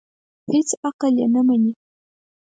هېڅ عقل یې نه مني.